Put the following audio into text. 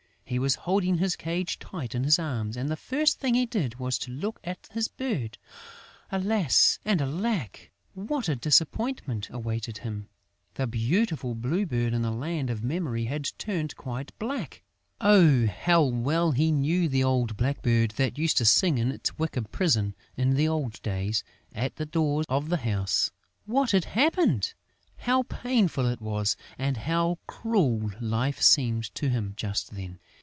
He was holding his cage tight in his arms; and the first thing he did was to look at his bird.... Alas and alack, what a disappointment awaited him! The beautiful Blue Bird of the Land of Memory had turned quite black! Stare at it as hard as Tyltyl might, the bird was black! Oh, how well he knew the old blackbird that used to sing in its wicker prison, in the old days, at the door of the house! What had happened? How painful it was! And how cruel life seemed to him just then!